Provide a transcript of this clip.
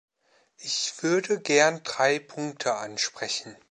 Ich würde gern drei Punkte ansprechen.